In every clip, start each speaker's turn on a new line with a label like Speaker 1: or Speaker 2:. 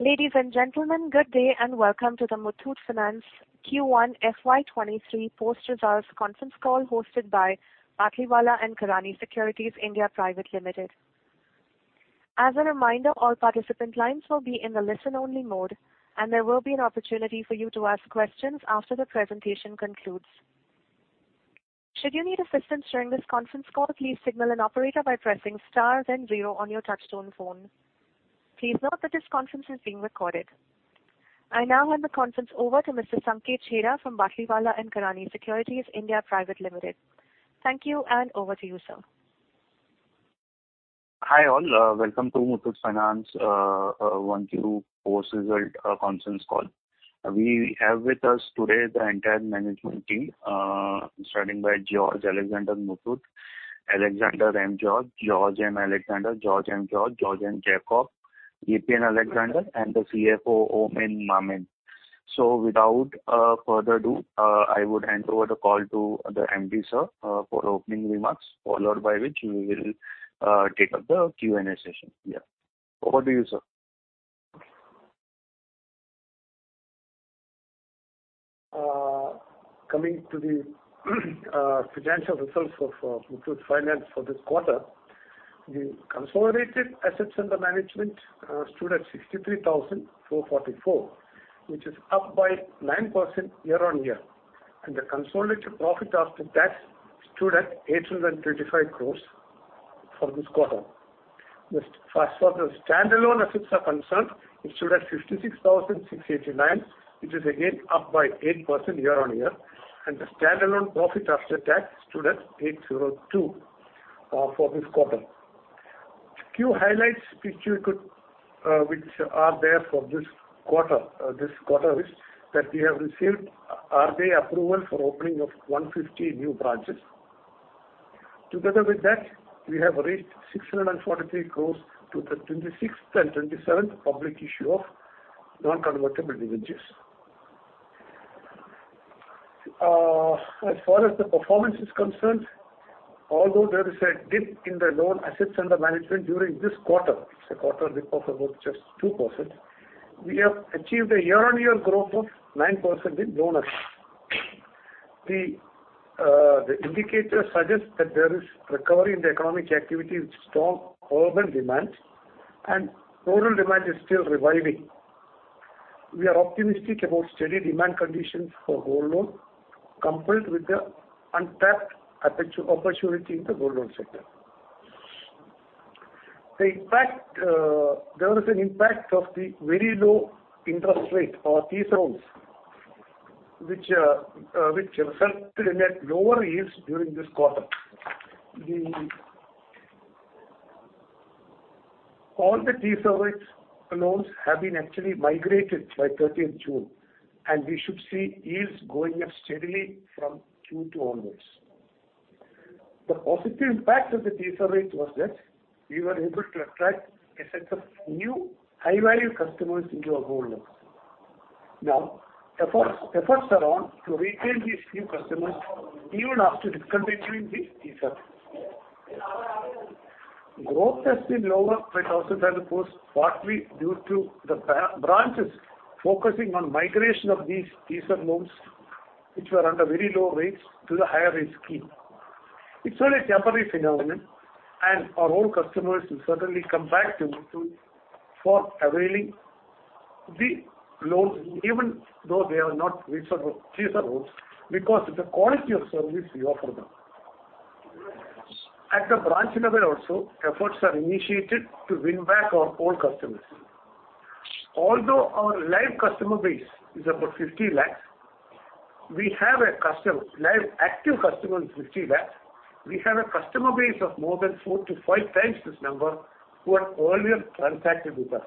Speaker 1: Ladies and gentlemen, good day and welcome to the Muthoot Finance Q1 FY2023 post results conference call hosted by Batlivala & Karani Securities India Private Limited. As a reminder, all participant lines will be in the listen-only mode, and there will be an opportunity for you to ask questions after the presentation concludes. Should you need assistance during this conference call, please signal an operator by pressing Star then Zero on your touchtone phone. Please note that this conference is being recorded. I now hand the conference over to Mr. Sanket Chheda from Batlivala & Karani Securities India Private Limited. Thank you, and over to you, sir.
Speaker 2: Hi, all. Welcome to Muthoot Finance 1Q post result conference call. We have with us today the entire management team, starting by George Alexander Muthoot, Alexander M. George M. Alexander, George M. George M. Jacob, Eapen Alexander, and the CFO Oommen Mammen. Without further ado, I would hand over the call to the MD, sir, for opening remarks, followed by which we will take up the Q&A session. Yeah. Over to you, sir.
Speaker 3: Coming to the financial results of Muthoot Finance for this quarter, the consolidated assets under management stood at 63,444, which is up by 9% year-on-year, and the consolidated profit after tax stood at 825 crores for this quarter. Just as far as the standalone assets are concerned, it stood at 56,689. It is again up by 8% year-on-year, and the standalone profit after tax stood at 802 for this quarter. Few highlights which are there for this quarter, this quarter is that we have received RBI approval for opening of 150 new branches. Together with that, we have raised 643 crores through the 26th and 27th public issue of non-convertible debentures. As far as the performance is concerned, although there is a dip in the loan assets under management during this quarter, it's a quarter dip of about just 2%, we have achieved a year-on-year growth of 9% in loan assets. The indicators suggest that there is recovery in the economic activity with strong urban demand and rural demand is still reviving. We are optimistic about steady demand conditions for gold loan, coupled with the untapped opportunity in the gold loan sector. There was an impact of the very low interest rate or teaser loans, which resulted in lower yields during this quarter. All the teaser loans have actually been migrated by 13th June, and we should see yields going up steadily from Q2 onwards. The positive impact of the T-loans was that we were able to attract a set of new high-value customers into our gold loans. Efforts are on to retain these new customers even after discontinuing the T-loans. Growth has been lower by 10%, partly due to the branches focusing on migration of these T-loans, which were under very low rates to the higher rate scheme. It's only a temporary phenomenon, and our old customers will certainly come back to Muthoot for availing the loans, even though they are not T-loans, because of the quality of service we offer them. At the branch level also, efforts are initiated to win back our old customers. Although our live customer base is about 50 lakhs, we have live active customers 50 lakhs. We have a customer base of more than 4x-5x this number who have earlier transacted with us.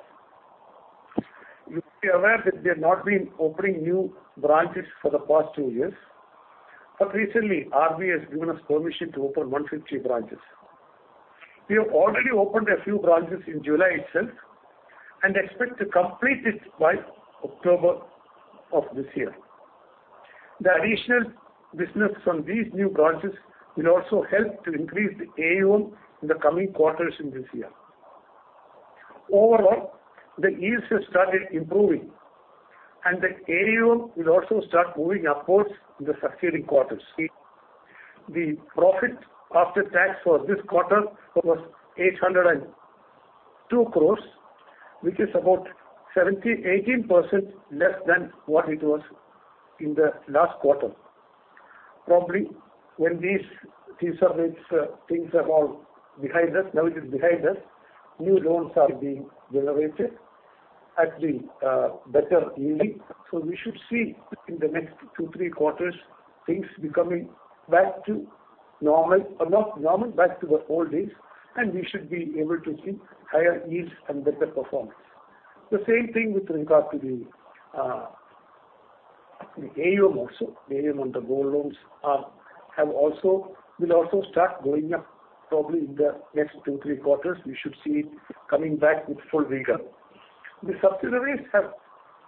Speaker 3: You'll be aware that we have not been opening new branches for the past 2 years, but recently, RBI has given us permission to open 150 branches. We have already opened a few branches in July itself and expect to complete it by October of this year. The additional business from these new branches will also help to increase the AUM in the coming quarters in this year. Overall, the yields have started improving and the AUM will also start moving upwards in the succeeding quarters. The profit after tax for this quarter was 802 crore, which is about 71.8% less than what it was in the last quarter. Probably, when these teaser loans things are all behind us, now it is behind us, new loans are being generated at the better yielding. We should see in the next two, three quarters things becoming back to normal. Not normal, back to the old days, and we should be able to see higher yields and better performance. The same thing with regard to the AUM also. AUM on the gold loans will also start going up probably in the next two, three quarters. We should see it coming back with full vigor. The subsidiaries have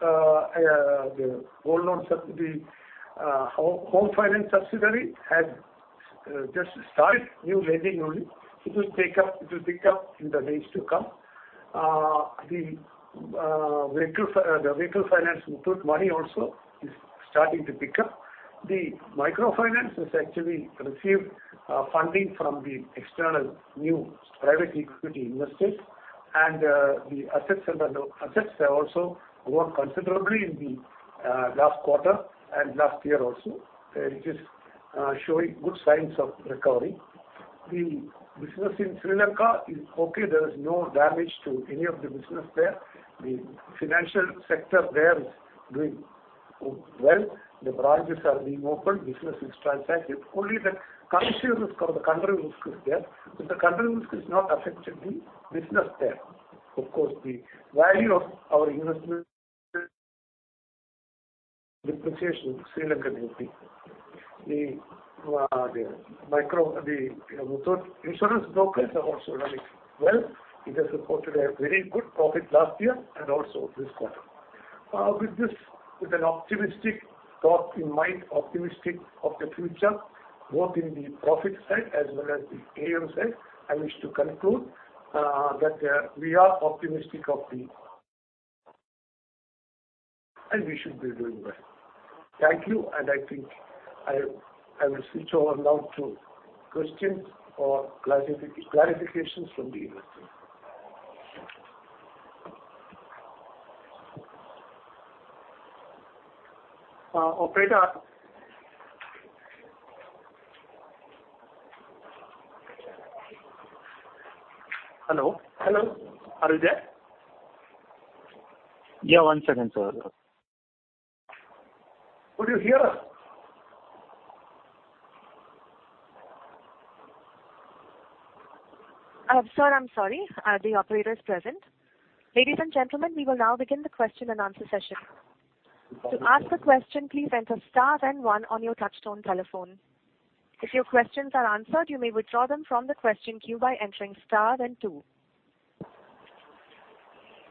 Speaker 3: the gold loan subsidiary home finance subsidiary had just started new lending only. It will pick up in the months to come. The vehicle finance with Muthoot Money also is starting to pick up. The microfinance has actually received funding from the external new private equity investors and the assets have also grown considerably in the last quarter and last year also. It is showing good signs of recovery. The business in Sri Lanka is okay. There is no damage to any of the business there. The financial sector there is doing well. The branches are being opened. Business is transacting. It's only the country risk is there, but the country risk is not affecting the business there. Of course, the value of our investment has depreciated in the Sri Lankan rupee. The Muthoot Insurance Brokers are also running well. It has reported a very good profit last year and also this quarter. With this, with an optimistic thought in mind, optimistic of the future, both in the profit side as well as the AUM side, I wish to conclude that we are optimistic of the future and we should be doing well. Thank you, and I think I will switch over now to questions or clarifications from the investors. Operator. Hello? Hello. Are you there?
Speaker 2: Yeah, one second, sir.
Speaker 3: Could you hear us?
Speaker 1: Sir, I'm sorry. The operator is present. Ladies and gentlemen, we will now begin the question-and-answer session.
Speaker 3: Thank you.
Speaker 1: To ask a question, please enter star then one on your touchtone telephone. If your questions are answered, you may withdraw them from the question queue by entering star then two.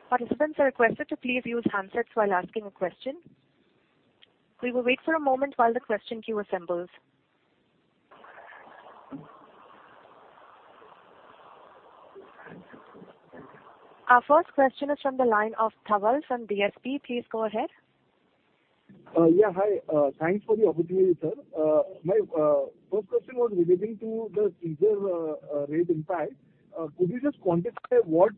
Speaker 1: Participants are requested to please use handsets while asking a question. We will wait for a moment while the question queue assembles. Our first question is from the line of Dhaval from DSP. Please go ahead.
Speaker 4: Hi. Thanks for the opportunity, sir. My first question was relating to the teaser rate impact. Could you just quantify what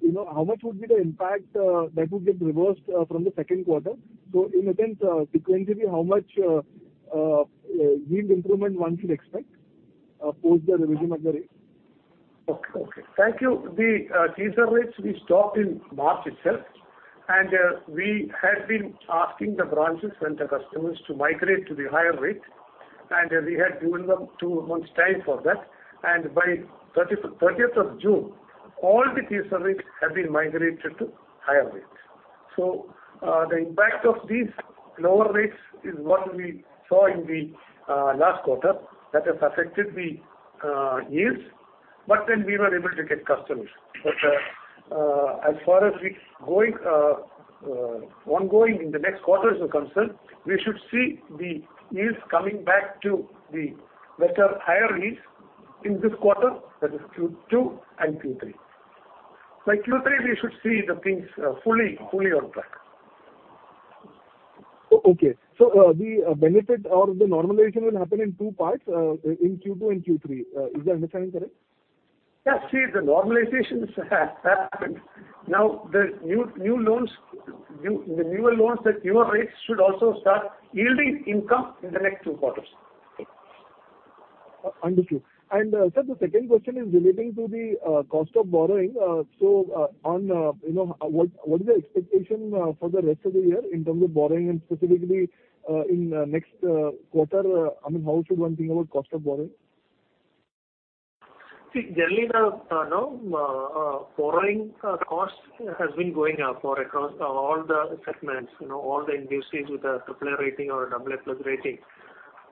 Speaker 4: you know, how much would be the impact that would get reversed from the second quarter? In a sense, sequentially how much yield improvement one should expect post the revision of the rate?
Speaker 3: Okay. Thank you. The teaser rates we stopped in March itself, and we had been asking the branches and the customers to migrate to the higher rate, and we had given them two months' time for that. By 13th of June, all the teaser rates have been migrated to higher rates. The impact of these lower rates is what we saw in the last quarter that has affected the yields, but then we were able to get customers. As far as going forward in the next quarter is concerned, we should see the yields coming back to the better higher yields in this quarter, that is Q2 and Q3. By Q3, we should see the things fully on track.
Speaker 4: Okay. The benefit or the normalization will happen in two parts, in Q2 and Q3. Is my understanding correct?
Speaker 3: Yeah. See, the normalizations have happened. Now, the newer loans at newer rates should also start yielding income in the next two quarters.
Speaker 4: Understood. Sir, the second question is relating to the cost of borrowing. On you know what is the expectation for the rest of the year in terms of borrowing and specifically in the next quarter? I mean, how should one think about cost of borrowing?
Speaker 3: See, generally the borrowing cost has been going up across all the segments, you know, all the NCDs with a triple A rating or a double A+ rating.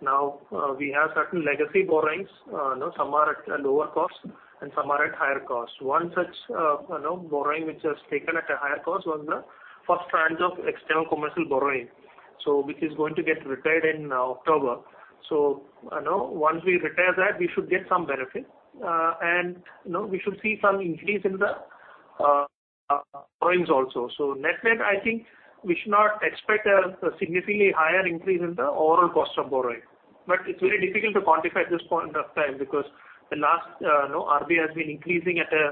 Speaker 3: Now, we have certain legacy borrowings. You know, some are at a lower cost and some are at higher cost. One such borrowing which was taken at a higher cost was the first tranche of external commercial borrowing, so which is going to get retired in October. You know, once we retire that, we should get some benefit. You know, we should see some increase in the borrowings also. Net-net, I think we should not expect a significantly higher increase in the overall cost of borrowing. It's very difficult to quantify at this point of time because the last, you know, RBI has been increasing at a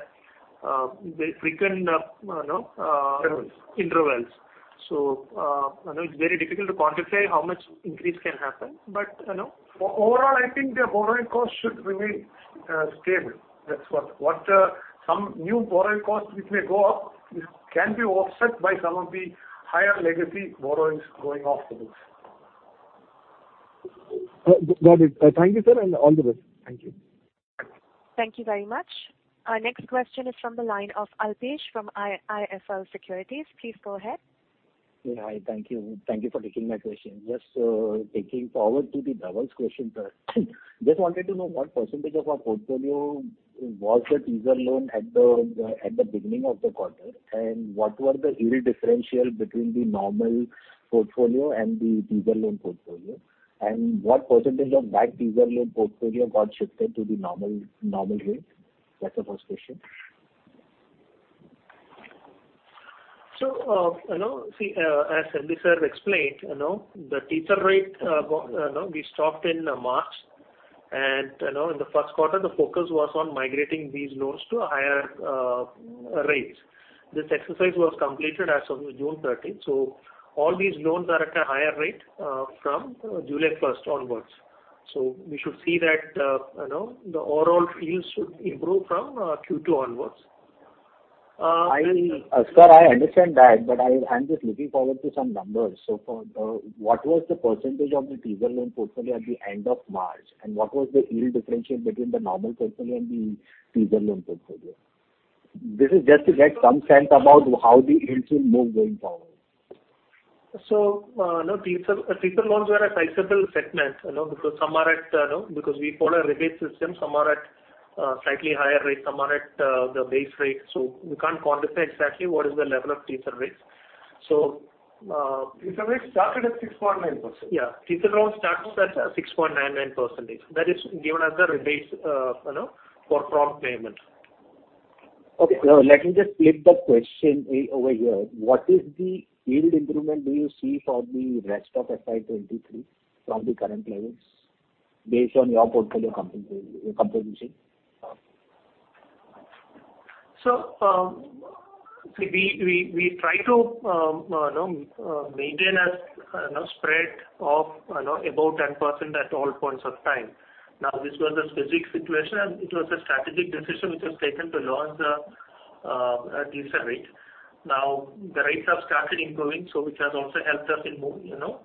Speaker 3: very frequent, you know.
Speaker 4: Intervals.
Speaker 3: Intervals. You know, it's very difficult to quantify how much increase can happen. You know, overall I think the borrowing cost should remain stable. That's what some new borrowing costs which may go up can be offset by some of the higher legacy borrowings going off the books.
Speaker 4: Got it. Thank you, sir, and all the best.
Speaker 3: Thank you.
Speaker 1: Thank you very much. Our next question is from the line of Alpesh from IIFL Securities. Please go ahead.
Speaker 5: Yeah. Hi. Thank you. Thank you for taking my question. Just taking forward to the Dhaval's question, sir. Just wanted to know what percentage of our portfolio was the teaser loan at the beginning of the quarter, and what were the yield differential between the normal portfolio and the teaser loan portfolio? What percentage of that teaser loan portfolio got shifted to the normal rate? That's the first question.
Speaker 6: As N.B. sir explained, you know, see, as N.B. sir explained, you know, the teaser rate, no, we stopped in March, and, you know, in the first quarter the focus was on migrating these loans to higher rates. This exercise was completed as of June 13. All these loans are at a higher rate from July 1 onwards. We should see that, you know, the overall fees should improve from Q2 onwards.
Speaker 5: Oommen Mammen, I understand that, but I'm just looking forward to some numbers. What was the percentage of the teaser loan portfolio at the end of March? And what was the yield differential between the normal portfolio and the teaser loan portfolio? This is just to get some sense about how the yields will move going forward.
Speaker 6: Teaser loans were a sizable segment, you know, because we follow a rebate system. Some are at slightly higher rate, some are at the base rate. We can't quantify exactly what is the level of teaser rates.
Speaker 5: Teaser rates started at 6.9%.
Speaker 6: Yeah. Teaser loans starts at 6.99%. That is given as a rebate, you know, for prompt payment.
Speaker 5: Okay. Let me just flip the question over here. What is the yield improvement do you see for the rest of FY2023 from the current levels based on your portfolio composition?
Speaker 6: We try to, you know, maintain a spread of, you know, above 10% at all points of time. Now, this was a specific situation, and it was a strategic decision which was taken to launch the teaser rate. Now the rates have started improving, so which has also helped us in moving, you know,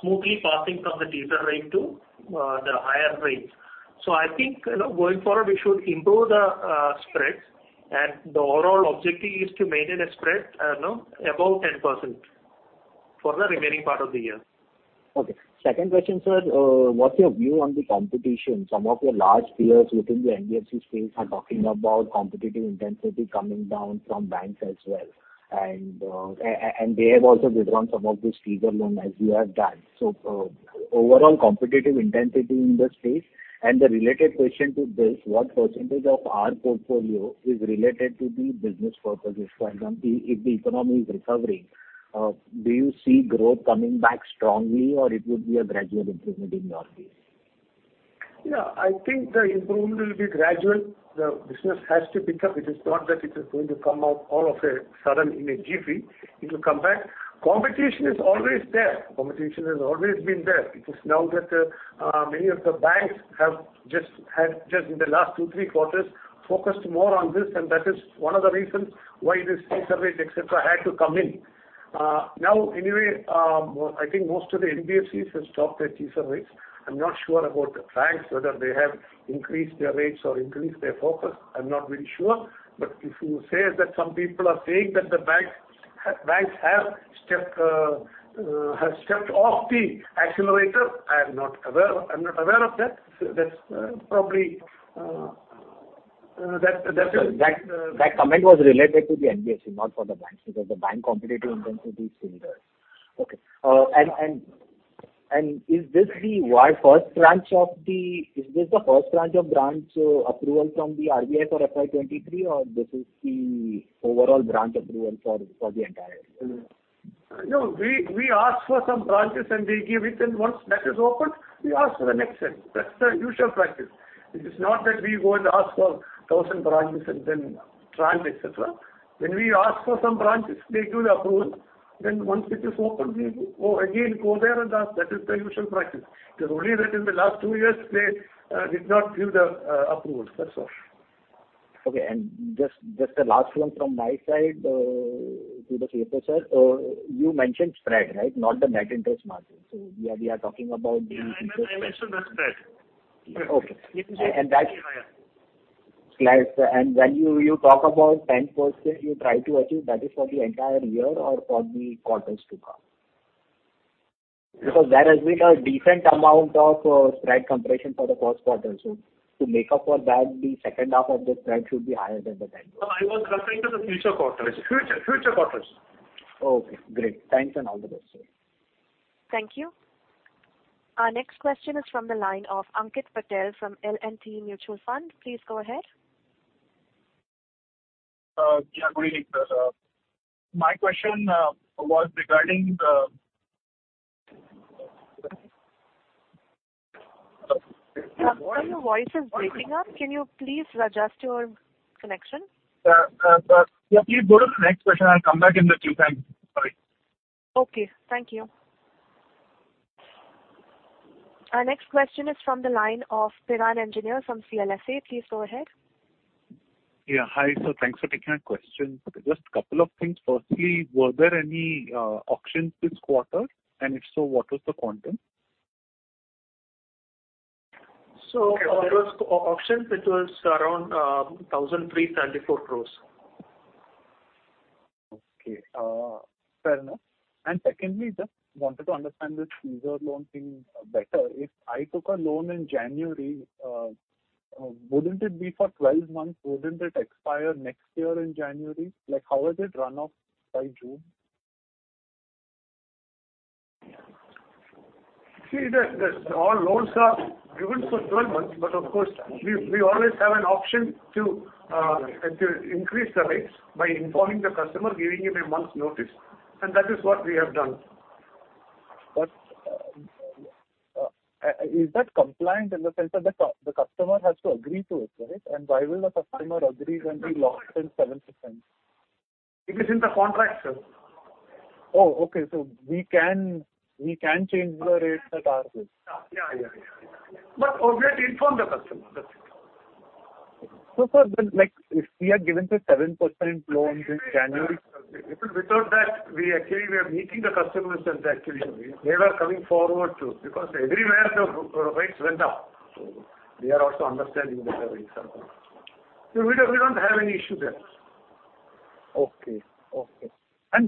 Speaker 6: smoothly passing from the teaser rate to the higher rates. I think, you know, going forward, we should improve the spreads and the overall objective is to maintain a spread, you know, above 10% for the remaining part of the year.
Speaker 5: Okay. Second question, sir. What's your view on the competition? Some of your large peers within the NBFC space are talking about competitive intensity coming down from banks as well and they have also withdrawn some of this teaser loan as you have done. For overall competitive intensity in the space. The related question to this, what percentage of our portfolio is related to the business purposes? For example, if the economy is recovering, do you see growth coming back strongly or it would be a gradual improvement in your view?
Speaker 6: Yeah, I think the improvement will be gradual. The business has to pick up. It is not that it is going to come up all of a sudden in a jiffy. It'll come back. Competition is always there. Competition has always been there. It is now that many of the banks have just in the last two, three quarters focused more on this, and that is one of the reasons why this teaser rate, et cetera, had to come in. Now anyway, I think most of the NBFCs have stopped their teaser rates. I'm not sure about the banks, whether they have increased their rates or increased their focus. I'm not really sure. If you say that some people are saying that the banks have stepped off the accelerator, I am not aware. I'm not aware of that. That's, uh, probably, uh, uh, that, that is-
Speaker 5: That comment was related to the NBFC, not for the banks because the bank competitive intensity is similar. Okay. Is this the first tranche of branch approval from the RBI for FY 2023 or this is the overall branch approval for the entire year?
Speaker 6: No, we ask for some branches and they give it. Once that is open, we ask for the next set. That's the usual practice. It is not that we go and ask for thousand branches and then tranche, et cetera. When we ask for some branches, they give the approval. Once it is open, we go again, go there and ask. That is the usual practice. It is only that in the last two years they did not give the approval. That's all.
Speaker 5: Okay. Just the last one from my side to the CFO, sir. You mentioned spread, right? Not the net interest margin. We are talking about the-
Speaker 6: Yeah. I mentioned the spread.
Speaker 5: Okay.
Speaker 6: It is a-
Speaker 5: And that-
Speaker 6: higher.
Speaker 5: When you talk about 10% you try to achieve, that is for the entire year or for the quarters to come? Because there has been a different amount of spread compression for the first quarter. To make up for that, the second half of the spread should be higher than the 10%.
Speaker 6: No, I was referring to the future quarters. Future quarters.
Speaker 5: Okay. Great. Thanks and all the best, sir.
Speaker 1: Thank you. Our next question is from the line of Ankit Patel from L&T Mutual Fund. Please go ahead.
Speaker 7: Yeah. Good evening, sir. My question was regarding the
Speaker 1: Sir, your voice is breaking up. Can you please adjust your connection?
Speaker 7: Yeah. Please go to the next question. I'll come back in the queue. Thank you. Sorry.
Speaker 1: Okay. Thank you. Our next question is from the line of Piran Engineer from CLSA. Please go ahead.
Speaker 8: Yeah. Hi, sir. Thanks for taking my question. Just couple of things. Firstly, were there any auctions this quarter? And if so, what was the quantum?
Speaker 6: There was auctions which was around 1,334 crore.
Speaker 8: Okay. Fair enough. Secondly, just wanted to understand this teaser loan thing better. If I took a loan in January, wouldn't it be for 12 months? Wouldn't it expire next year in January? Like, how is it run off by June?
Speaker 3: See, the all loans are given for 12 months, but of course, we always have an option to increase the rates by informing the customer, giving him a month's notice, and that is what we have done.
Speaker 8: Is that compliant in the sense that the customer has to agree to it, right? Why will the customer agree when he lost 7%?
Speaker 3: It is in the contract, sir.
Speaker 8: We can change the rates at our will.
Speaker 3: Yeah. We have to inform the customer. That's it.
Speaker 8: Sir, then, like, if we are given the 7% loans in January
Speaker 3: Even without that, we actually were meeting the customers and actually they were coming forward to. Because everywhere the rates went up. They are also understanding the current scenario. We don't have any issue there.
Speaker 8: Okay,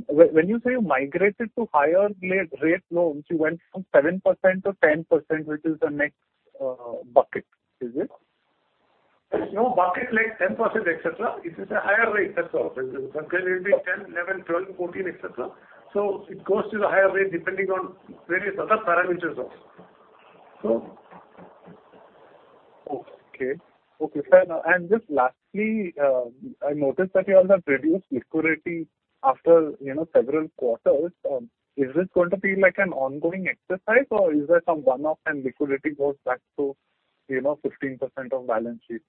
Speaker 8: when you say you migrated to higher lending rate loans, you went from 7% to 10%, which is the next bucket, is it?
Speaker 3: No bucket like 10%, et cetera. It is a higher rate. That's all. Because it will be 10, 11, 12, 14, et cetera. It goes to the higher rate depending on various other parameters also.
Speaker 8: Okay. Okay, sir. Just lastly, I noticed that you all have reduced liquidity after, you know, several quarters. Is this going to be like an ongoing exercise or is there some one-off and liquidity goes back to, you know, 15% of balance sheet?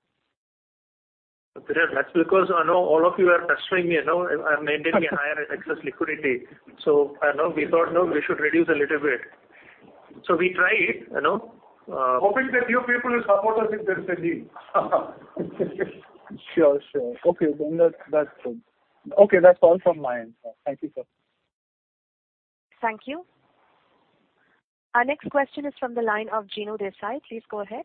Speaker 3: Piran, that's because I know all of you are pestering me, you know. I'm maintaining a higher excess liquidity. I know we thought, no, we should reduce a little bit. We try it, you know. Hoping that you people will support us if there is a need.
Speaker 8: Sure. Okay, then that's good. Okay, that's all from my end, sir. Thank you, sir.
Speaker 1: Thank you. Our next question is from the line of Jignesh Desai. Please go ahead.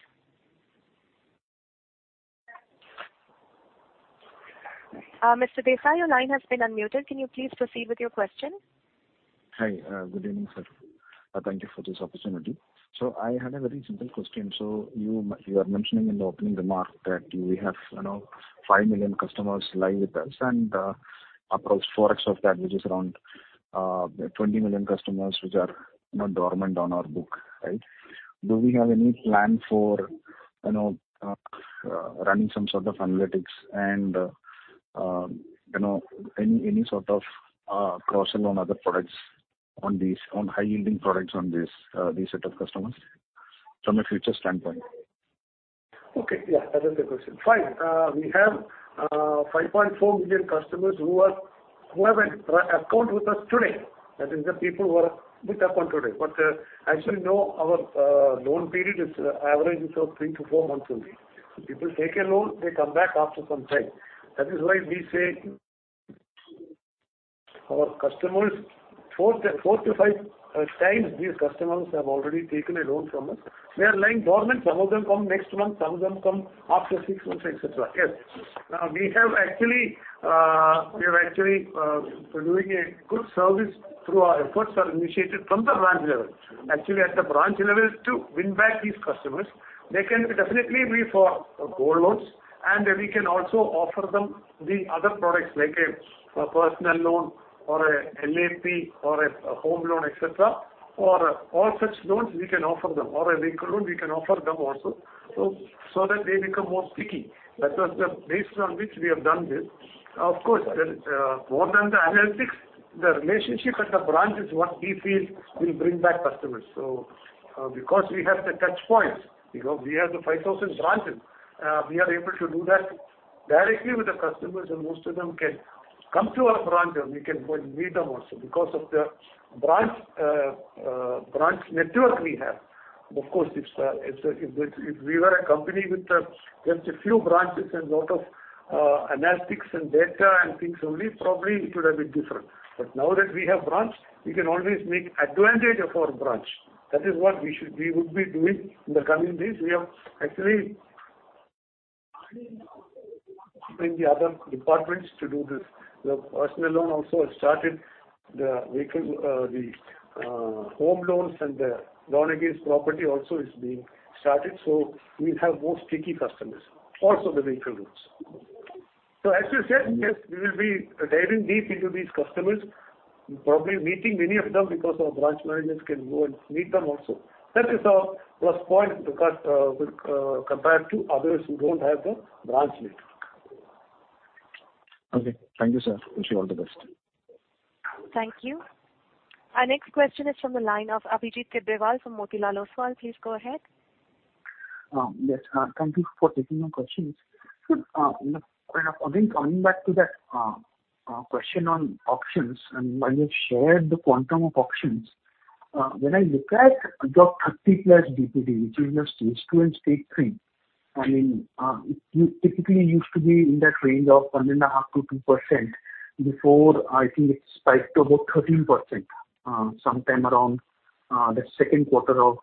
Speaker 1: Mr. Desai, your line has been unmuted. Can you please proceed with your question?
Speaker 9: Hi. Good evening, sir. Thank you for this opportunity. I had a very simple question. You are mentioning in the opening remark that we have, you know, 5 million customers live with us and 4x of that, which is around 20 million customers which are, you know, dormant on our book, right? Do we have any plan for, you know, running some sort of analytics and, you know, any sort of cross-selling other high-yielding products to this set of customers from a future standpoint?
Speaker 3: Okay. Yeah, that is the question. Fine. We have 5.4 million customers who have an account with us today. That is the people who are with us today. As you know, our loan period average is 3-4 months only. People take a loan, they come back after some time. That is why we say our customers 4x-5x these customers have already taken a loan from us. They are lying dormant. Some of them come next month, some of them come after six months, et cetera. Yes. We are actually doing a good service through our efforts are initiated from the branch level. Actually, at the branch level to win back these customers, they can definitely be for gold loans, and we can also offer them the other products like a personal loan or a LAP or a home loan, et cetera, or all such loans we can offer them, or a vehicle loan we can offer them also, so that they become more sticky. That was the base on which we have done this. Of course, more than the analytics, the relationship at the branch is what we feel will bring back customers. Because we have the touch points, because we have the 5,000 branches, we are able to do that directly with the customers, and most of them can come to our branch and we can go and meet them also because of the branch network we have. Of course, if we were a company with just a few branches and a lot of analytics and data and things only, probably it would have been different. Now that we have branches, we can always take advantage of our branches. That is what we would be doing in the coming days. We have actually the other departments to do this. The personal loan also has started, the vehicle, the home loans and the loan against property also is being started. We have more sticky customers, also the vehicle loans. As you said, yes, we will be diving deep into these customers, probably meeting many of them because our branch managers can go and meet them also. That is our plus point because, compared to others who don't have the branch network.
Speaker 9: Okay. Thank you, sir. Wish you all the best.
Speaker 1: Thank you. Our next question is from the line of Abhijit Tibrewal from Motilal Oswal. Please go ahead.
Speaker 10: Yes. Thank you for taking my questions. Again, coming back to that question on auctions and when you shared the quantum of auctions, when I look at your 30+ DPD, which is your stage two and stage three, I mean, it typically used to be in that range of 1.5%-2% before I think it spiked to about 13%, sometime around the second quarter of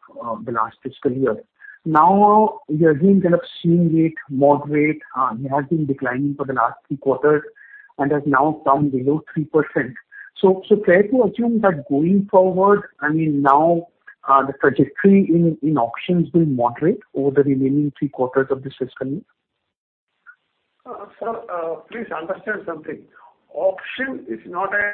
Speaker 10: the last fiscal year. Now we are again kind of seeing it moderate. It has been declining for the last 3 quarters and has now come below 3%. Fair to assume that going forward, I mean, now the trajectory in auctions will moderate over the remaining 3 quarters of this fiscal year?
Speaker 3: Sir, please understand something. Auction is not a.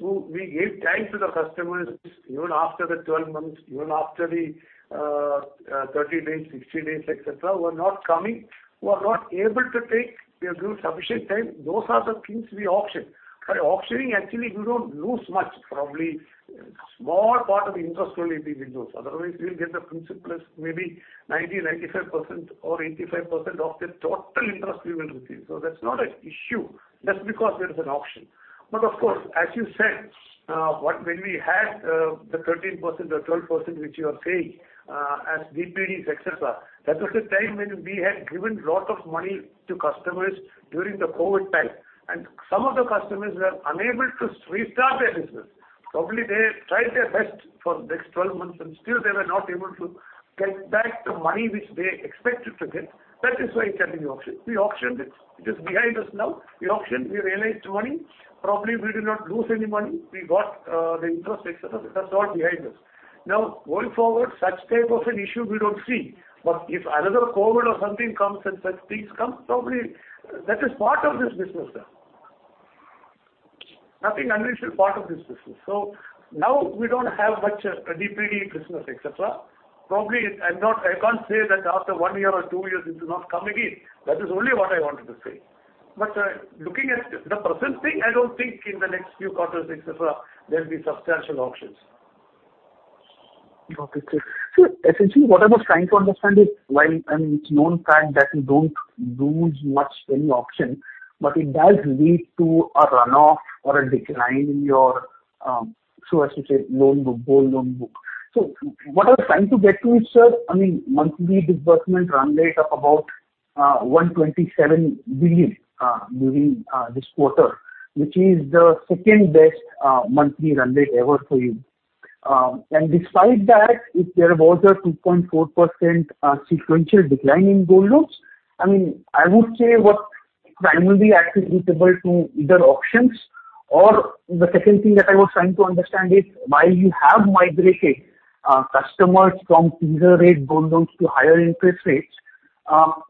Speaker 3: We gave time to the customers even after the 12 months, even after the 30 days, 60 days, et cetera, were not coming, were not able to take. We have given sufficient time. Those are the things we auction. By auctioning actually we don't lose much. Probably a small part of the interest only we will lose, otherwise we'll get the principal plus maybe 90%-95% or 85% of the total interest we will receive. That's not an issue just because there is an auction. Of course, as you said, when we had the 13% or 12% which you are saying as DPDs, et cetera, that was a time when we had given lot of money to customers during the COVID time, and some of the customers were unable to restart their business. Probably they tried their best for the next 12 months and still they were not able to get back the money which they expected to get. That is why it went in the auction. We auctioned it. It is behind us now. We auctioned, we realized money. Probably we did not lose any money. We got the interest, et cetera. That's all behind us. Now, going forward, such type of an issue we don't see. If another COVID or something comes and such things come, probably that is part of this business, sir. Nothing unusual, part of this business. Now we don't have much of a DPD business, et cetera. Probably I can't say that after one year or two years it will not come again. That is only what I wanted to say. Looking at the present thing, I don't think in the next few quarters, et cetera, there'll be substantial auctions.
Speaker 10: Okay. Essentially what I was trying to understand is while, I mean, it's known fact that you don't lose much in the auction, but it does lead to a runoff or a decline in your, so as to say loan book, whole loan book. What I was trying to get to is, sir, I mean, monthly disbursement run rate of about 127 billion during this quarter, which is the second-best monthly run rate ever for you. Despite that, if there was a 2.4% sequential decline in gold loans, I mean, I would say what primarily attributable to either auctions or the second thing that I was trying to understand is while you have migrated customers from teaser rate gold loans to higher interest rates,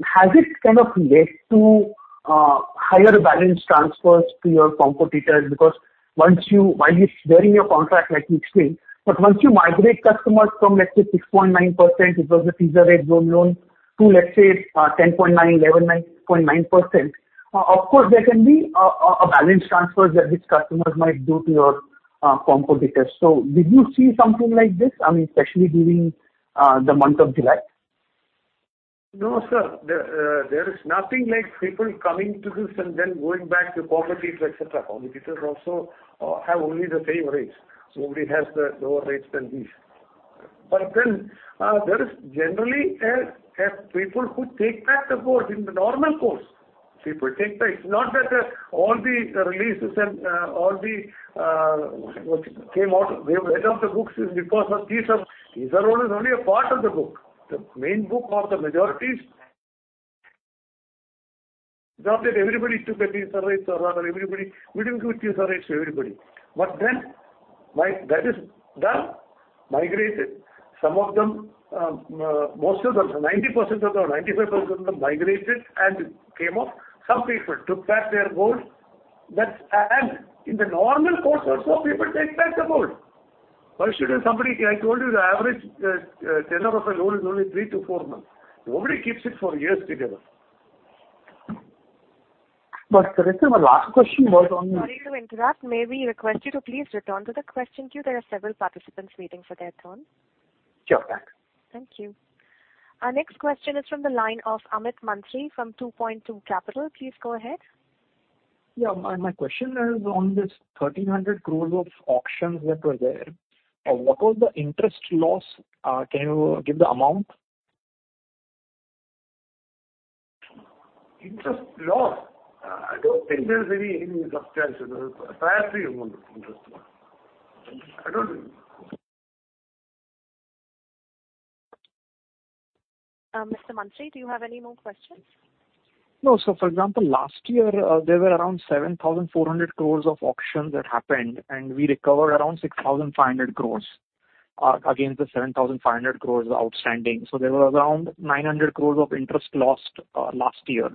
Speaker 10: has it kind of led to higher balance transfers to your competitors? Because while you're servicing your contract like you explained, but once you migrate customers from, let's say, 6.9%, it was a teaser rate gold loan to, let's say, 10.9%, 11.9%, of course there can be a balance transfer that these customers might do to your competitors. So did you see something like this? I mean, especially during the month of July.
Speaker 3: No, sir. There is nothing like people coming to this and then going back to competitors, et cetera. Competitors also have only the same rates. Nobody has the lower rates than these. There is generally people who take back the gold in the normal course. People take back. It's not that all the releases and all the what came out they went off the books is because of teaser. Teaser loan is only a part of the book. The main book of the majority is not that everybody took a teaser rates or rather everybody. We didn't give teaser rates to everybody. That is done, migrated. Some of them, most of them, 90% of them, 95% of them migrated and came off. Some people took back their gold. That's In the normal course also people take back the gold. Why should somebody. I told you the average tenure of a loan is only 3-4 months. Nobody keeps it for years together.
Speaker 10: Sir, my last question was on-
Speaker 1: Sorry to interrupt. May we request you to please return to the question queue? There are several participants waiting for their turn.
Speaker 10: Sure. Thanks.
Speaker 1: Thank you. Our next question is from the line of Amit Mantri from 2Point2 Capital. Please go ahead.
Speaker 11: My question is on this 1,300 crores of auctions that were there. What was the interest loss? Can you give the amount?
Speaker 3: Interest loss? I don't think there's any substantial prior to your interest loss. I don't think.
Speaker 1: Mr. Mantri, do you have any more questions?
Speaker 11: No. For example, last year, there were around 7,400 crore of auctions that happened, and we recovered around 6,500 crore against the 7,500 crore outstanding. There were around 900 crore of interest lost last year.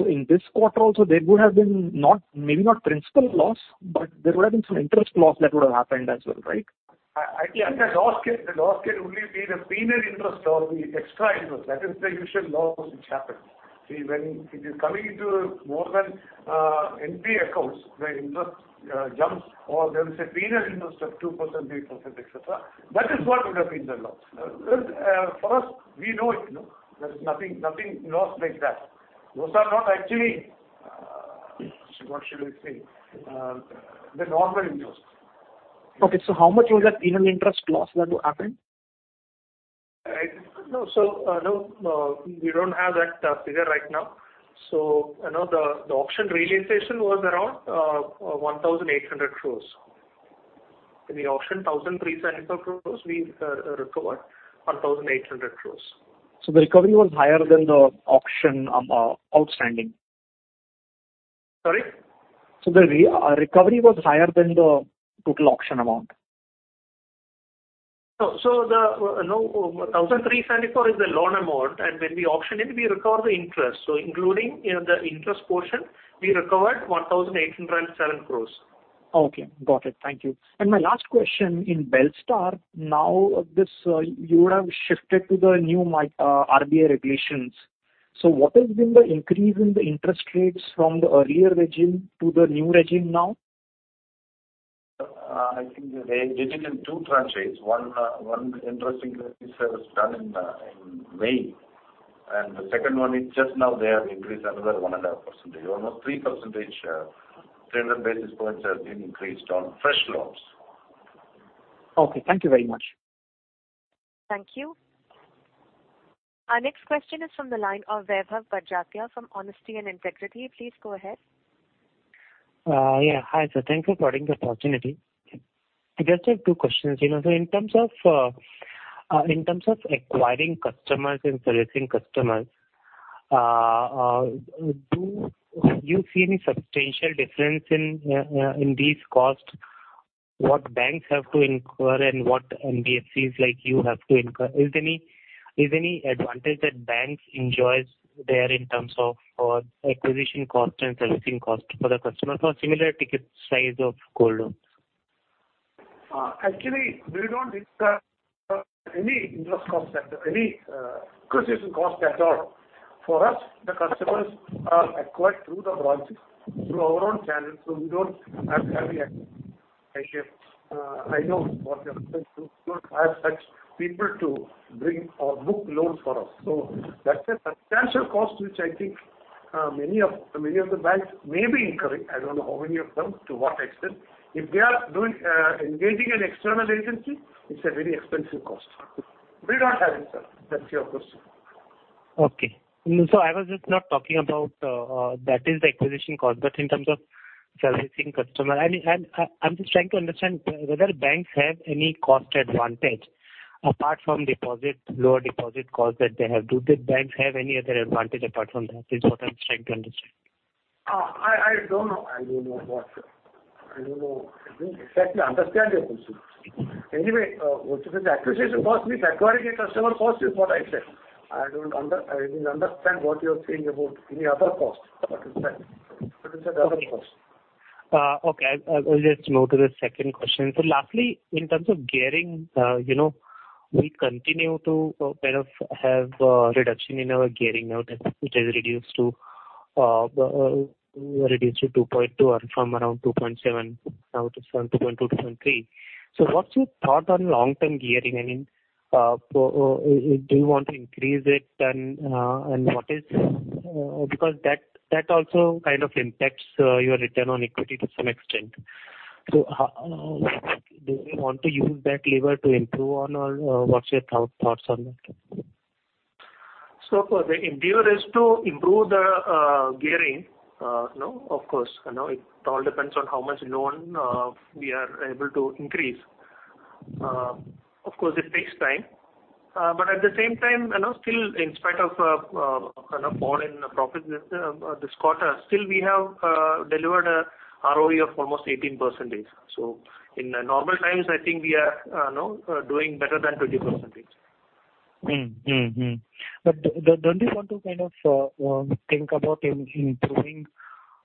Speaker 11: In this quarter also there would have been maybe not principal loss, but there would have been some interest loss that would have happened as well, right?
Speaker 3: I think the loss can only be the penal interest or the extra interest. That is the usual loss which happens. See, when it is coming into more than NPA accounts, the interest jumps or there is a penal interest of 2%, 3%, et cetera. That is what would have been the loss. For us, we know it, no? There's nothing lost like that. Those are not actually what should I say the normal interest.
Speaker 11: Okay. How much was that penal interest loss that happened?
Speaker 3: No. No, we don't have that figure right now. I know the auction realization was around 1,800 crore. In the auction, 1,300 crore, we recovered 1,800 crore.
Speaker 11: The recovery was higher than the auction outstanding?
Speaker 3: Sorry?
Speaker 11: The recovery was higher than the total auction amount?
Speaker 3: 1,374 is the loan amount and when we auction it, we recover the interest. Including, you know, the interest portion, we recovered 1,807 crores.
Speaker 11: Okay, got it. Thank you. My last question in Belstar, now this, you would have shifted to the new RBI regulations. What has been the increase in the interest rates from the earlier regime to the new regime now?
Speaker 6: I think they did it in two tranches. One interest increase was done in May and the second one is just now they have increased another 1.5%. Almost 3%, 300 basis points has been increased on fresh loans.
Speaker 11: Okay, thank you very much.
Speaker 1: Thank you. Our next question is from the line of Vaibhav Badjatya from Honesty and Integrity Investment. Please go ahead.
Speaker 12: Yeah. Hi, sir. Thank you for giving the opportunity. I just have two questions. You know, in terms of acquiring customers and servicing customers, do you see any substantial difference in these costs, what banks have to incur and what NBFCs like you have to incur? Is there any advantage that banks enjoys there in terms of acquisition cost and servicing cost for the customer for similar ticket size of gold loans?
Speaker 3: Actually we don't incur any interest cost or any acquisition cost at all. For us the customers are acquired through the branches, through our own channels so we don't have heavy. I know what you're referring to. We don't have such people to bring or book loans for us. That's a substantial cost which I think many of the banks may be incurring. I don't know how many of them, to what extent. If they are engaging an external agency, it's a very expensive cost. We don't have it, sir. That's your question.
Speaker 12: Okay. I was just not talking about that is the acquisition cost, but in terms of servicing customer. I'm just trying to understand whether banks have any cost advantage apart from deposit, lower deposit cost that they have. Do the banks have any other advantage apart from that? Is what I'm trying to understand.
Speaker 3: I don't know. I didn't exactly understand your question. Anyway, which is the acquisition cost means acquiring a customer cost is what I said. I didn't understand what you're saying about any other cost. What is that other cost?
Speaker 12: Okay. I'll just move to the second question. Lastly, in terms of gearing, you know, we continue to kind of have reduction in our gearing now that it is reduced to 2.2 or from around 2.7 now to from 2.2-2.3. What's your thought on long-term gearing? I mean, do you want to increase it? And what is, because that also kind of impacts your return on equity to some extent. How do you want to use that lever to improve on or what's your thoughts on that?
Speaker 3: The endeavor is to improve the gearing, of course, you know, it all depends on how much loan we are able to increase. Of course it takes time, but at the same time, you know, still in spite of kind of fall in profit this quarter still we have delivered a ROE of almost 18%. In normal times I think we are, you know, doing better than 20%.
Speaker 12: Don't you want to kind of think about improving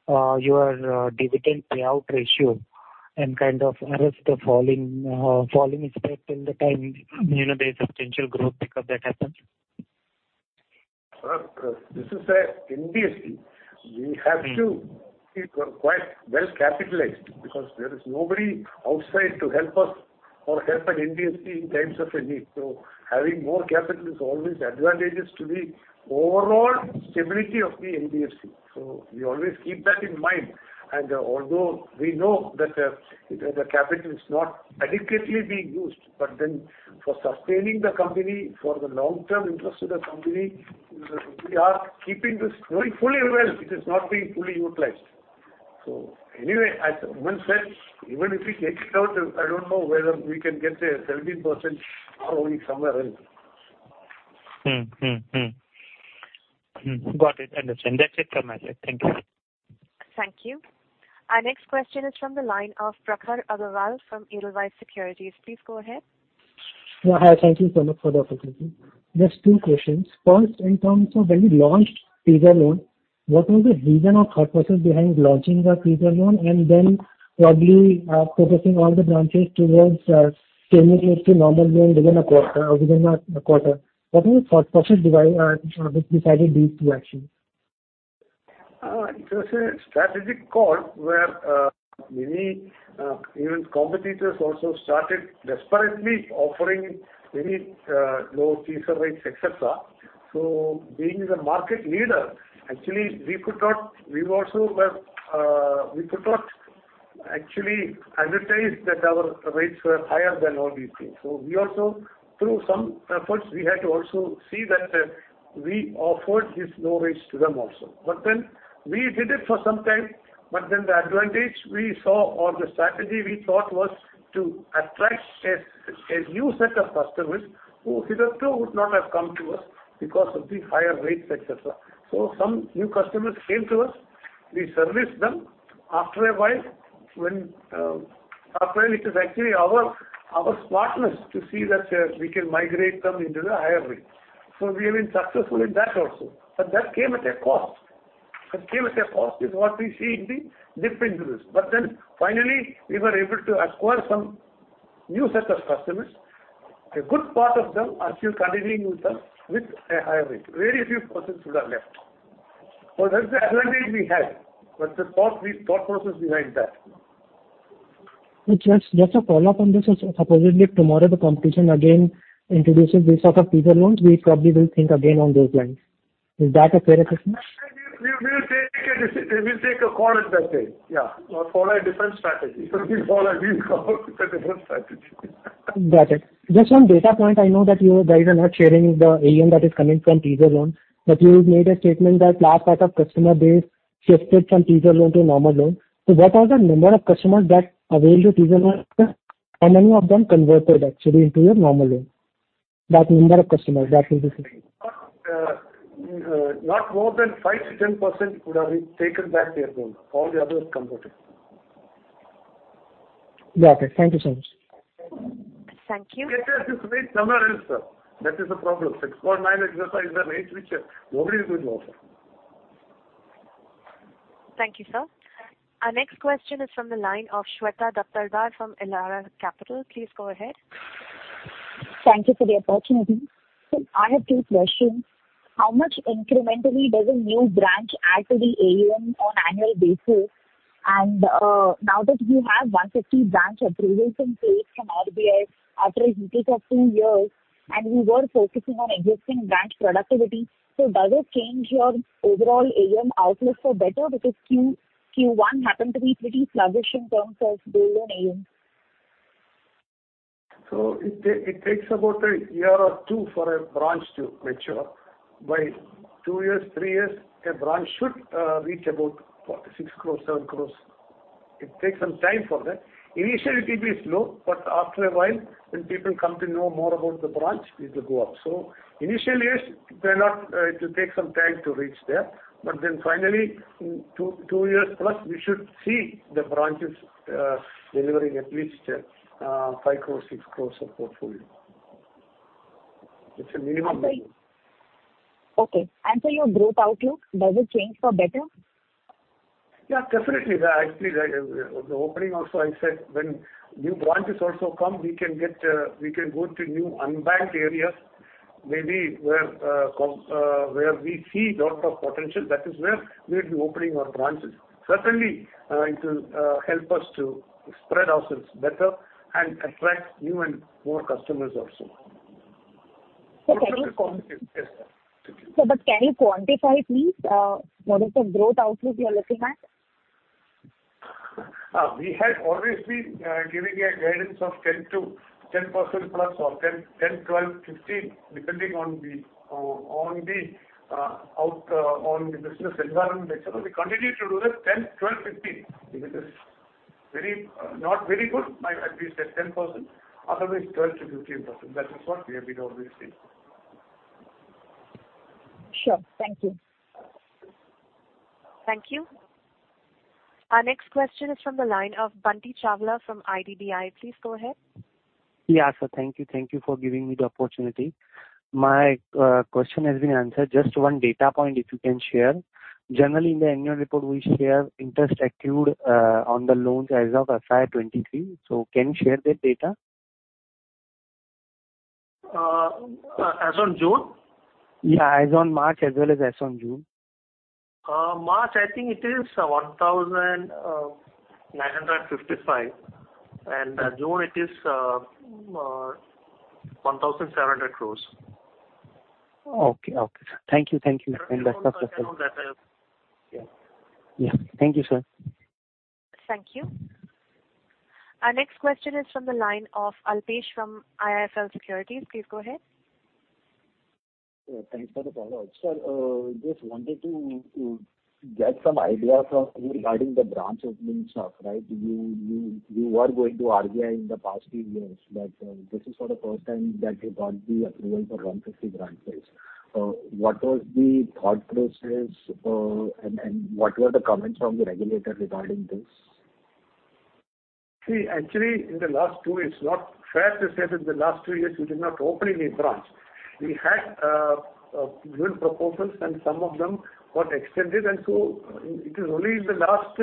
Speaker 12: your dividend payout ratio and kind of arrest the falling spread in the meantime, you know, there's substantial growth pickup that happens?
Speaker 3: This is a NBFC. We have to be quite well capitalized because there is nobody outside to help us or help an NBFC in times of a need. Having more capital is always advantageous to the overall stability of the NBFC. We always keep that in mind. Although we know that, the capital is not adequately being used but then for sustaining the company, for the long-term interest of the company, we are keeping this knowing fully well it is not being fully utilized. Anyway, as Oommen said, even if we take it out I don't know whether we can get a 17% ROE somewhere else.
Speaker 12: Got it. Understand. That's it from my side. Thank you.
Speaker 1: Thank you. Our next question is from the line of Prakhar Agarwal from Edelweiss Securities. Please go ahead.
Speaker 13: Hi. Thank you so much for the opportunity. Just two questions. First, in terms of when you launched teaser loan, what was the reason or thought process behind launching the teaser loan and then probably focusing all the branches towards converting it to normal loan within a quarter or within a quarter? What was the thought process which decided these two actions?
Speaker 3: It was a strategic call where many even competitors also started desperately offering very low teaser rates, etc. Being the market leader, actually we could not actually advertise that our rates were higher than all these things. We also, through some efforts we had to also see that we offered these low rates to them also. We did it for some time, but then the advantage we saw or the strategy we thought was to attract a new set of customers who hitherto would not have come to us because of the higher rates, etc. Some new customers came to us. We service them after a while when, after it is actually our smartness to see that we can migrate them into the higher rate. We have been successful in that also. That came at a cost is what we see in the dip in growth. Finally, we were able to acquire some new set of customers. A good part of them are still continuing with us with a higher rate. Very few persons would have left. That's the advantage we had, but the thought process behind that.
Speaker 13: Just a follow-up on this. Supposedly tomorrow the competition again introduces this sort of teaser loans, we probably will think again on those lines. Is that a fair assessment?
Speaker 3: We will take a decision. We'll take a call at that stage, yeah, or follow a different strategy. We follow a different strategy.
Speaker 13: Got it. Just one data point. I know that you guys are not sharing the AUM that is coming from teaser loan, but you made a statement that large part of customer base shifted from teaser loan to normal loan. What are the number of customers that availed the teaser loan, sir, and how many of them converted actually into a normal loan? That number of customers, that will be-
Speaker 3: Not more than 5%-10% would have re-taken back their loan. All the others converted.
Speaker 13: Got it. Thank you so much.
Speaker 1: Thank you.
Speaker 3: It has this rate somewhere else, sir. That is the problem. 6.9x plus is a rate which nobody is doing also.
Speaker 1: Thank you, sir. Our next question is from the line of Shweta Daptardar from Elara Capital. Please go ahead.
Speaker 14: Thank you for the opportunity. I have two questions. How much incrementally does a new branch add to the AUM on annual basis? Now that you have 150 branch approvals in place from RBI after an uptick of two years, and you were focusing on existing branch productivity, does it change your overall AUM outlook for better? Because Q1 happened to be pretty sluggish in terms of build on AUM.
Speaker 3: It takes about a year or two for a branch to mature. By two years, three years, a branch should reach about 46 crores, 70 crores. It takes some time for that. Initially, it will be slow, but after a while, when people come to know more about the branch, it will go up. Initially, yes, it will not, it will take some time to reach there. Finally, in two years plus, we should see the branches delivering at least 5 crores-6 crores of portfolio. It's a minimum.
Speaker 14: Okay. Your growth outlook, does it change for better?
Speaker 3: Yeah, definitely. Actually, the opening also I said when new branches also come, we can get, we can go to new unbanked areas, maybe where we see lot of potential. That is where we'll be opening our branches. Certainly, it will help us to spread ourselves better and attract new and more customers also.
Speaker 14: Sir, can you?
Speaker 3: Yes.
Speaker 14: Sir, can you quantify, please, what is the growth outlook you are looking at?
Speaker 3: We have always been giving a guidance of 10%+ or 10, 12, 15, depending on the business environment et cetera. We continue to do that 10%, 12%, 15%. If it is not very good, we at least at 10%. Otherwise, 12%-15%. That is what we have been always saying.
Speaker 14: Sure. Thank you.
Speaker 1: Thank you. Our next question is from the line of Bunty Chawla from IDBI. Please go ahead.
Speaker 15: Yeah, sir. Thank you. Thank you for giving me the opportunity. My question has been answered. Just one data point, if you can share. Generally, in the annual report, we share interest accrued on the loans as of FY 2023. Can you share that data?
Speaker 3: As on June?
Speaker 15: Yeah, as on March as well as on June.
Speaker 3: March, I think it is, 1,955 crores. June it is, 1,700 crores.
Speaker 15: Okay. Thank you. That's all for now.
Speaker 3: No problem at all.
Speaker 15: Yeah. Yeah. Thank you, sir.
Speaker 1: Thank you. Our next question is from the line of Alpesh from IIFL Securities. Please go ahead.
Speaker 5: Thanks for the follow-up. Sir, just wanted to get some idea from you regarding the branch opening stuff, right? You were going to RBI in the past few years, but this is for the first time that you got the approval for 150 branches. What was the thought process, and what were the comments from the regulator regarding this?
Speaker 3: See, actually, in the last two years, it's not fair to say that in the last two years we did not open any branch. We had good proposals and some of them got extended. It is only in the last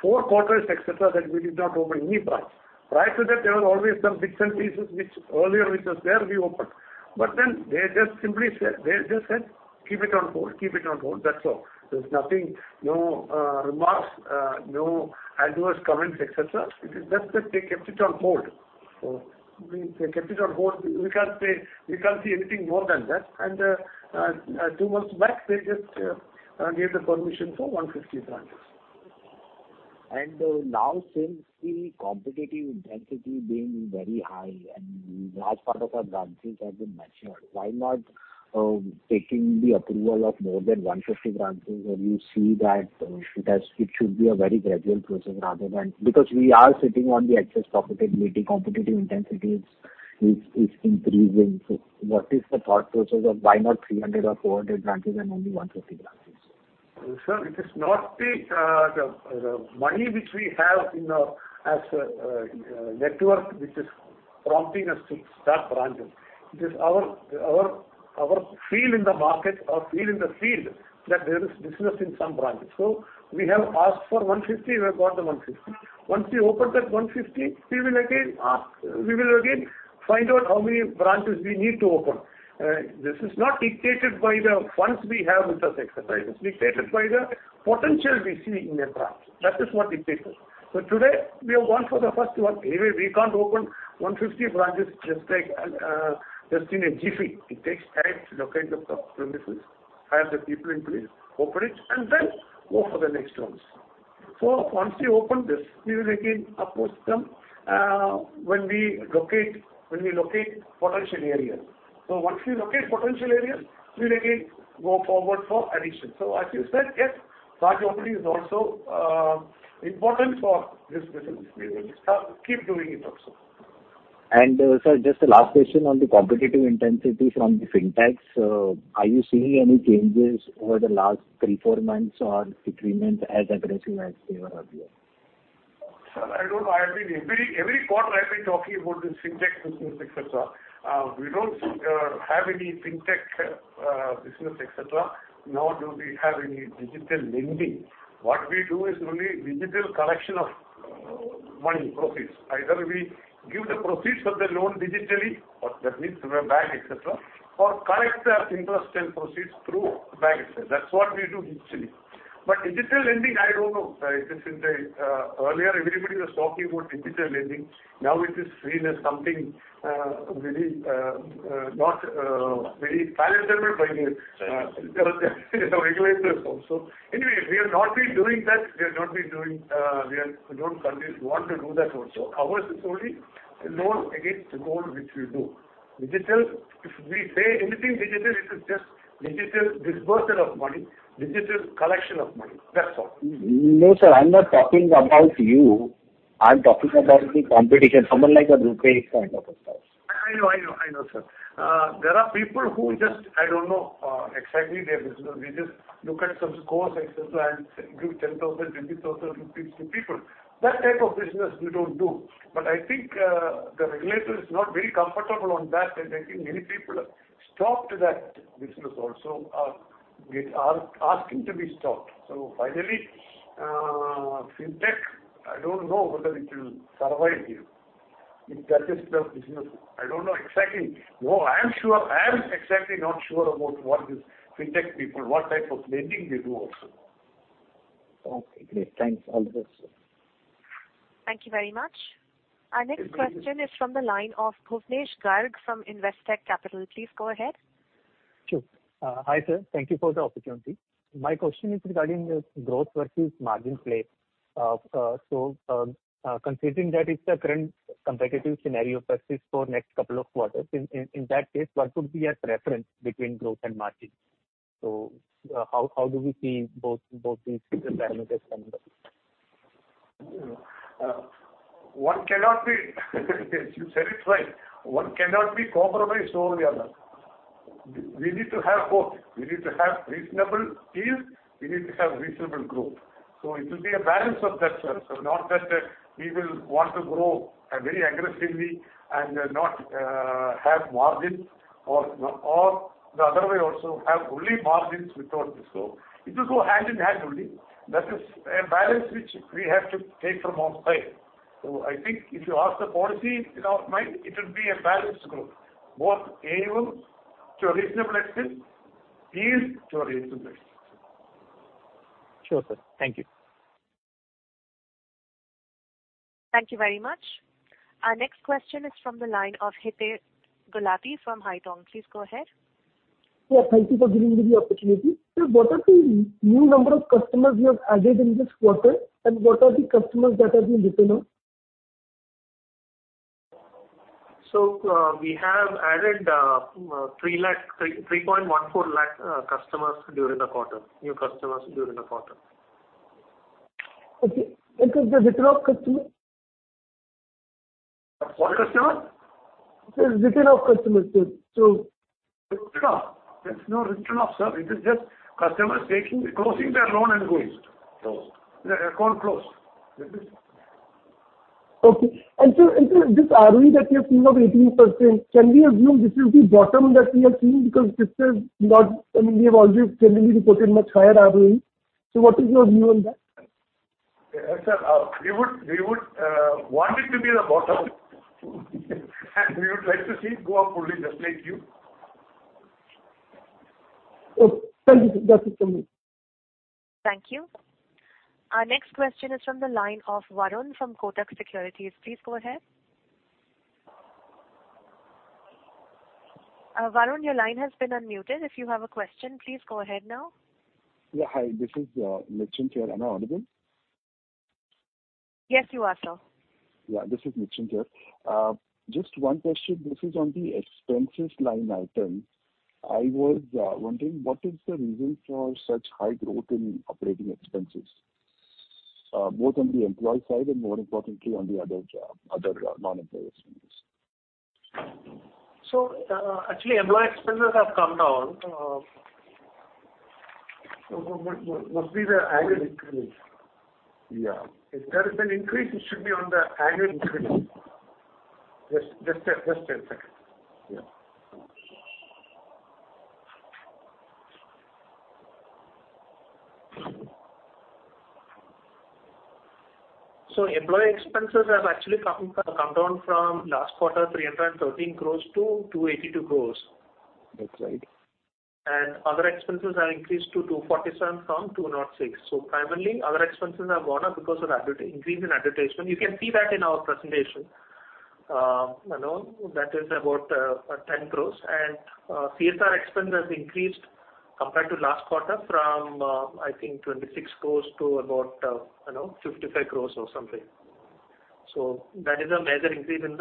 Speaker 3: four quarters, et cetera, that we did not open any branch. Prior to that, there were always some bits and pieces which was there, we opened. They just simply said, they just said, "Keep it on hold. Keep it on hold." That's all. There's nothing, no remarks, no adverse comments, et cetera. It is just that they kept it on hold. They kept it on hold. We can't say, we can't see anything more than that. Two months back, they just gave the permission for 150 branches.
Speaker 5: Now since the competitive intensity being very high and large part of our branches have been matured, why not taking the approval of more than 150 branches where you see that it should be a very gradual process rather than, because we are sitting on the excess profitability, competitive intensity is increasing. What is the thought process of why not 300 or 400 branches and only 150 branches?
Speaker 3: Sir, it is not the money which we have in our, as a, network which is prompting us to start branches. It is our feel in the market or feel in the field that there is business in some branches. We have asked for 150, we have got the 150. Once we open that 150, we will again ask. We will again find out how many branches we need to open. This is not dictated by the funds we have with us, et cetera. It's dictated by the potential we see in a branch. That is what dictates it. Today we have gone for the first one. Anyway, we can't open 150 branches just like, just in a jiffy. It takes time to locate the premises, hire the people in place, open it, and then go for the next ones. Once we open this, we will again, of course, come, when we locate potential areas. Once we locate potential areas, we will again go forward for addition. As you said, yes, branch opening is also, important for this business. We will keep doing it also.
Speaker 5: Sir, just a last question on the competitive intensity from the fintechs. Are you seeing any changes over the last 3, 4 months or it remains as aggressive as they were earlier?
Speaker 3: Sir, I don't know. I mean, every quarter I've been talking about this fintech business, et cetera. We don't have any fintech business, et cetera, nor do we have any digital lending. What we do is only digital collection of money, proceeds. Either we give the proceeds of the loan digitally, or that means through a bank, et cetera, or collect the interest and proceeds through bank itself. That's what we do digitally. Digital lending, I don't know. Earlier everybody was talking about digital lending. Now it is seen as something very not very fancied by the regulators also. Anyway, we have not been doing that. We don't currently want to do that also. Ours is only loan against gold which we do. Digital, if we say anything digital, it is just digital disbursement of money, digital collection of money. That's all.
Speaker 5: No, sir, I'm not talking about you. I'm talking about the competition, someone like a Rupeek and other stores.
Speaker 3: I know, sir. There are people who just I don't know exactly their business. They just look at some scores, et cetera, and give 10,000, 20,000 to people. That type of business we don't do. I think the regulator is not very comfortable on that, and I think many people have stopped that business also, it asking to be stopped. Finally, fintech, I don't know whether it will survive here. It touches the business. I don't know exactly. No, I am sure. I am exactly not sure about what these fintech people, what type of lending they do also.
Speaker 5: Okay, great. Thanks. All the best.
Speaker 1: Thank you very much. Our next question is from the line of Bhuvnesh Garg from Investec Capital. Please go ahead.
Speaker 16: Sure. Hi, sir. Thank you for the opportunity. My question is regarding the growth versus margin play. Considering that it's a current competitive scenario persist for next couple of quarters, in that case, what would be your preference between growth and margin? How do we see both these different parameters coming up?
Speaker 3: You said it right. One cannot be compromised over the other. We need to have both. We need to have reasonable yield. We need to have reasonable growth. It will be a balance of that, sir. Not that we will want to grow very aggressively and not have margins or the other way also, have only margins without growth. It will go hand in hand only. That is a balance which we have to take from our side. I think if you ask the policy in our mind, it will be a balanced growth, both able to a reasonable extent, yield to a reasonable extent.
Speaker 16: Sure, sir. Thank you.
Speaker 1: Thank you very much. Our next question is from the line of Hitesh Gulati from Haitong. Please go ahead.
Speaker 17: Yeah, thank you for giving me the opportunity. Sir, what are the new number of customers you have added in this quarter, and what are the customers that have been written off?
Speaker 3: We have added 3 lakh, 3.14 lakh customers during the quarter, new customers during the quarter.
Speaker 17: Okay. Is there written-off customer?
Speaker 3: What customer?
Speaker 17: Sir, written off customers, sir.
Speaker 3: Written off? There's no written off, sir. It is just customers taking, closing their loan and going. Their account closed. That is all.
Speaker 17: Sir, this ROE that you have seen of 18%, can we assume this is the bottom that we are seeing? Because this is not, I mean, we have already generally reported much higher ROE. What is your view on that?
Speaker 3: Sir, we would want it to be the bottom. We would like to see it go up only, just like you.
Speaker 17: Okay. Thank you, sir. That's it from me.
Speaker 1: Thank you. Our next question is from the line of Varun from Kotak Securities. Please go ahead. Varun, your line has been unmuted. If you have a question, please go ahead now.
Speaker 18: Yeah. Hi, this is Nitin here. Am I audible?
Speaker 1: Yes, you are, sir.
Speaker 18: Yeah, this is Nitin here. Just one question. This is on the expenses line item. I was wondering what is the reason for such high growth in operating expenses, both on the employee side and more importantly on the other non-employee expense?
Speaker 6: Actually employee expenses have come down.
Speaker 3: Must be the annual increase.
Speaker 6: Yeah.
Speaker 18: If there is an increase, it should be on the annual increase. Just a second.
Speaker 6: Yeah. Employee expenses have actually come down from last quarter, 313 crores to 282 crores.
Speaker 18: That's right.
Speaker 6: Other expenses have increased to 247 crore from 206 crore. Primarily other expenses have gone up because of increase in advertisement. You can see that in our presentation. You know, that is about 10 crore. CSR expense has increased compared to last quarter from, I think, 26 crore to about, you know, 55 crore or something. That is a major increase during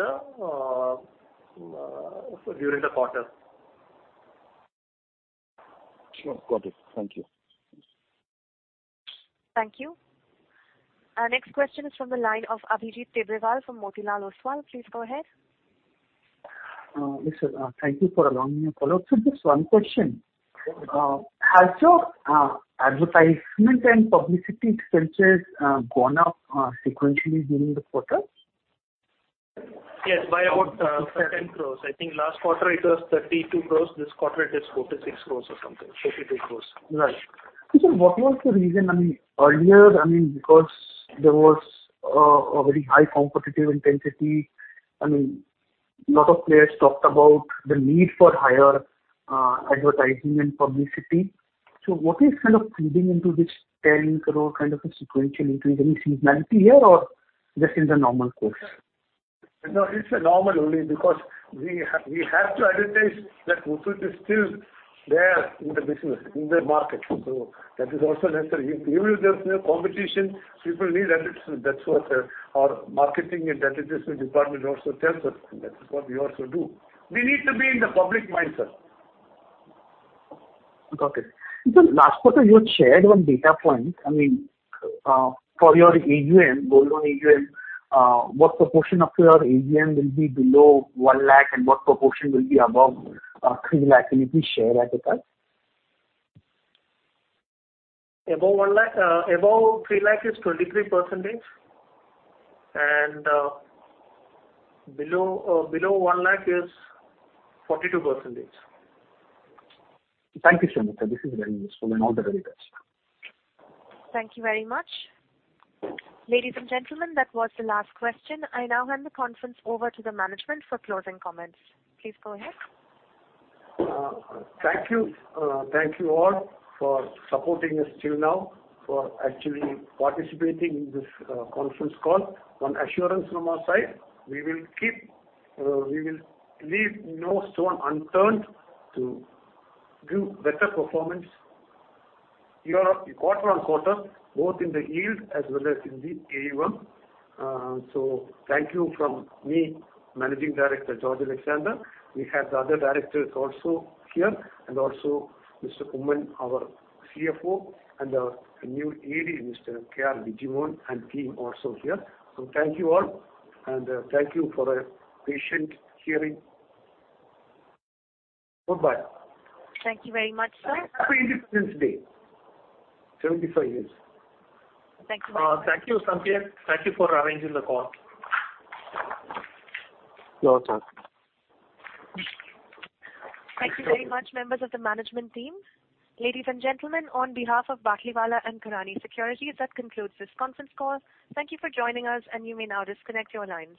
Speaker 6: the quarter.
Speaker 18: Sure. Got it. Thank you.
Speaker 1: Thank you. Our next question is from the line of Abhijit Tibrewal from Motilal Oswal. Please go ahead.
Speaker 10: Yes, sir. Thank you for allowing me to follow. Sir, just one question. Has your advertisement and publicity expenses gone up sequentially during the quarter?
Speaker 6: Yes, by about 10 crores. I think last quarter it was 32 crores. This quarter it is 46 crores or something, 52 crores.
Speaker 10: Right. What was the reason? I mean, earlier, I mean, because there was a very high competitive intensity, I mean, lot of players talked about the need for higher advertising and publicity. What is kind of feeding into this 10 crore kind of a sequential increase? Any seasonality here or just in the normal course?
Speaker 3: No, it's normal only because we have to advertise that Muthoot is still there in the business, in the market. That is also necessary. Even if there's no competition, people need advertising. That's what our marketing and advertising department also tells us, and that is what we also do. We need to be in the public mindset.
Speaker 10: Last quarter you had shared one data point, I mean, for your AUM, gold loan AUM, what proportion of your AUM will be below 1 lakh and what proportion will be above 3 lakh? Can you please share that with us?
Speaker 6: Above 1 lakh, above 3 lakh is 23%. Below 1 lakh is 42%.
Speaker 10: Thank you so much, sir. This is very useful and all the very best.
Speaker 1: Thank you very much. Ladies and gentlemen, that was the last question. I now hand the conference over to the management for closing comments. Please go ahead.
Speaker 3: Thank you all for supporting us till now, for actually participating in this conference call. One assurance from our side, we will leave no stone unturned to give better performance year or quarter-on-quarter, both in the yield as well as in the AUM. Thank you from me, Managing Director, George Alexander. We have the other directors also here, and also Mr. Oommen K. Mammen, our CFO, and our new AD, Mr. K. R. Bijimon, and team also here. Thank you all, and thank you for your patient hearing. Goodbye.
Speaker 1: Thank you very much, sir.
Speaker 2: Happy Independence Day. 75 years.
Speaker 1: Thanks a lot.
Speaker 3: Thank you, Sanket. Thank you for arranging the call.
Speaker 2: Okay sir.
Speaker 1: Thank you very much, members of the management team. Ladies and gentlemen, on behalf of Batlivala & Karani Securities, that concludes this conference call. Thank you for joining us, and you may now disconnect your lines.